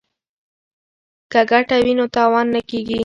که ګټه وي نو تاوان نه کیږي.